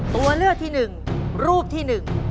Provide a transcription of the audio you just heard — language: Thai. ตัวเลือกที่๑รูปที่๑